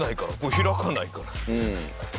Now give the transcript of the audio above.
開かないから。